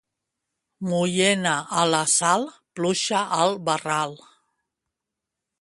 Mullena a la sal, pluja al barral.